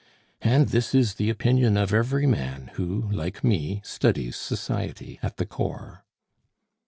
And this is the opinion of every man who, like me, studies society at the core."